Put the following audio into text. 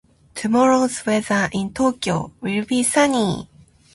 Tomorrow's weather in Tokyo will be sunny.